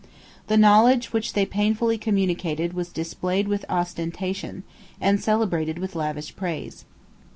1 The knowledge which they painfully communicated was displayed with ostentation, and celebrated with lavish praise.